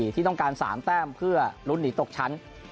ที่ต้องการ๓แต้มเพื่อลุ้นหนีตกชั้น